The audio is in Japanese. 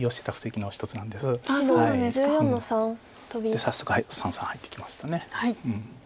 で早速三々入ってきました。